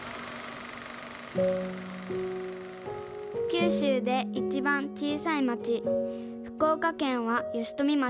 九州でいちばん小さい町福岡県は吉富町。